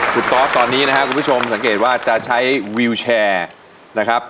คุณตอสตอนนี้นะครับคุณผู้ชมสังเกตว่าจะใช้วิวแชร์นะครับ